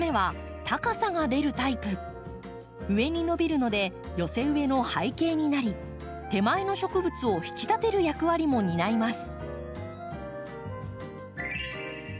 上に伸びるので寄せ植えの背景になり手前の植物を引き立てる役割も担います。